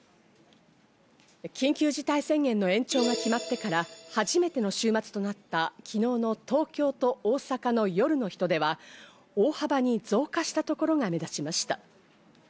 緊急事態宣言の延長が決まってから初めての週末となった昨日の東京と大阪の夜の人出は大幅に増加したところが目立ちました。